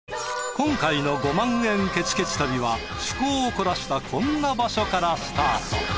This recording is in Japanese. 今回の「５万円ケチケチ旅」は趣向を凝らしたこんな場所からスタート。